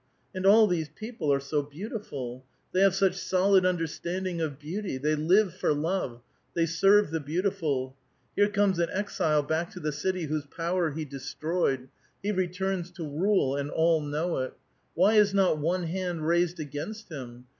And all these people are so beautiful ; they have such solid undei'standing of beauty ; they live for love ; they serve the beautiful. Here comes an exile back to the city whose power he de stroved; he returns to rule, and all know it. Why is not one hand raised against him